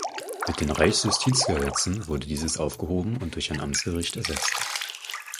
Mit den Reichsjustizgesetzen wurde dieses aufgehoben und durch ein Amtsgericht ersetzt.